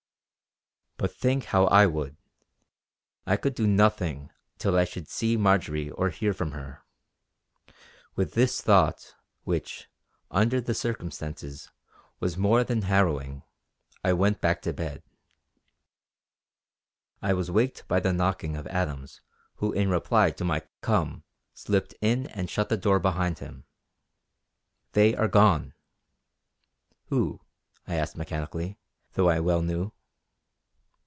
But think how I would, I could do nothing till I should see Marjory or hear from her. With this thought, which, under the circumstances, was more than harrowing, I went back to bed. I was waked by the knocking of Adams who in reply to my "Come," slipped in and shut the door behind him. "They are gone!" "Who?" I asked mechanically, though I well knew.